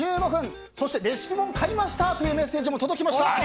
レシピ本買いましたというメッセージも届きました。